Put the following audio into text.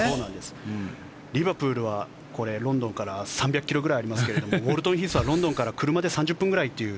リバプールはロンドンから３００ｋｍくらいありますがウォルトンヒースはロンドンから車で３０分くらいという。